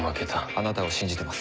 「あなたを信じてます」